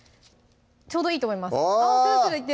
ちょうどいいと思いますおぉ！